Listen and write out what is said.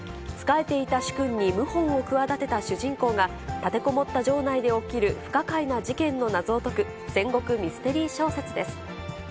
仕えていた主君に謀反を企てた主人公が、立てこもった城内で起きる不可解な事件の謎を解く戦国ミステリー小説です。